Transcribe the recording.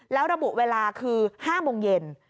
แล้วระบุเวลาคือ๕โมงเย็น